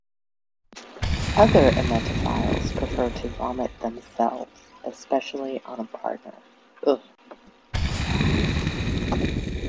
Other emetophiles prefer to vomit themselves, especially on a partner.